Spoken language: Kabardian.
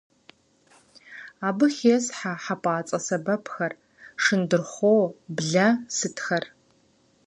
Абы хесхьэ хьэпӀацӀэ сэбэпхэр, шындырхъуо, блэ сытхэр.